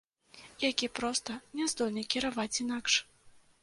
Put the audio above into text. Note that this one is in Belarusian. Які проста не здольны кіраваць інакш.